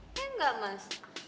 eh enggak mas